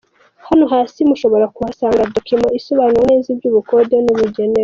Hano hasi mushobora kuhasanga Document isobanura neza iby’Ubukonde n’Ubugererwa